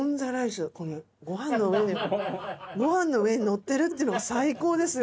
ご飯の上にご飯の上に載ってるっていうのが最高ですよ。